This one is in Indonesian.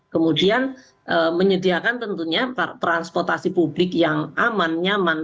kemudian menyediakan tentunya transportasi publik yang aman nyaman